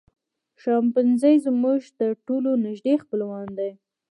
شامپانزي زموږ تر ټولو نږدې خپلوان دي.